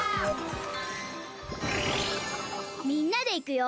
みんなでいくよ！